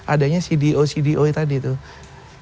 adanya cdo cdo tadi tuh